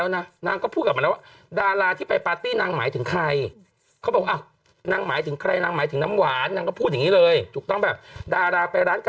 นั่งหมายถึงใครเขาบอกว่านั่งหมายถึงให้ล้างหมายถึงน้ำหวานยังฟูนที่เลยถูกต้องแบบ